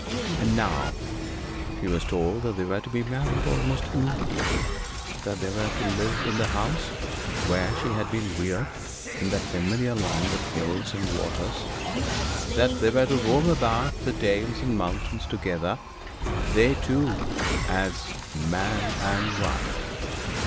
And now she was told that they were to be married almost immediately, that they were to live in the house where she had been reared, in that familiar land of hills and waters, that they were to roam about the dales and mountains together, they two, as man and wife.